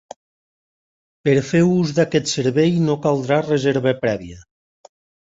Per fer ús d’aquest servei no caldrà reserva prèvia.